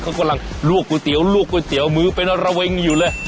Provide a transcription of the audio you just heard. เขากำลังลวกก๋วยเตี๋ยวลวกก๋วยเตี๋ยวมือเป็นระเวงอยู่เลย